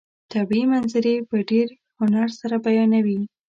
طبیعي منظرې په ډېر هنر سره بیانوي.